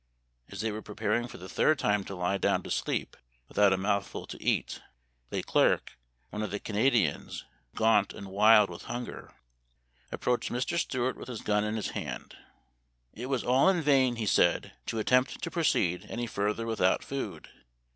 As they were preparing for the third time to lie down to sleep without a mouthful to eat, Le Clerc, one of the Cana dians, gaunt and wild with hunger, approached 234 Memoir of Washington Irving. Mr. Stuart with his gun in his hand. ' It was all in vain,' he said, ' to attempt to proceed any further without food.